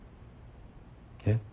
えっ？